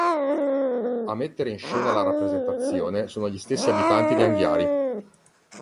A mettere in scena la rappresentazione sono gli stessi abitanti di Anghiari.